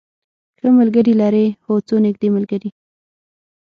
ښه ملګری لرئ؟ هو، څو نږدې ملګری